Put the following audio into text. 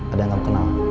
ada yang kamu kenal